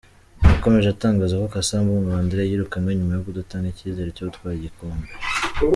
Yakomeje atangaza ko Cassa Mbungo André yirukanywe nyuma yo kudatanga icyizere cyo gutwara igikombe.